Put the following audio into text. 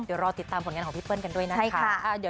เดี๋ยวรอติดตามผลงานของพี่เปิ้ลกันด้วยนะคะ